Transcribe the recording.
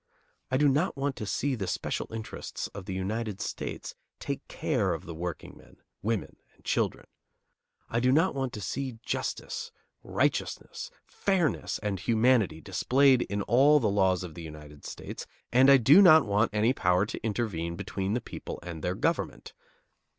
I do not want to see the special interests of the United States take care of the workingmen, women, and children. I want to see justice, righteousness, fairness and humanity displayed in all the laws of the United States, and I do not want any power to intervene between the people and their government.